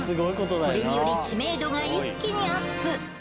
これにより知名度が一気にアップ